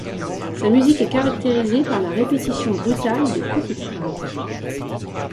Sa musique est caractérisée par la répétition brutale de petites phrases.